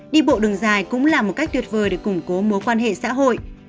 đi bộ đường dài cũng là một cách tuyệt vời để củng cố mối quan hệ xã hội